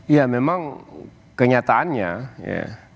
ya memang kenyataannya ya